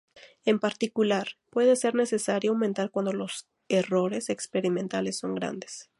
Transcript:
En particular, puede ser necesario aumentar cuando los errores experimentales son grandes.